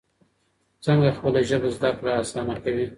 څنګه خپله ژبه زده کړه اسانه کوي؟